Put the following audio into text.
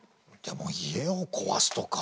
でも家を壊すとか。